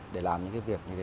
để làm những cái việc như thế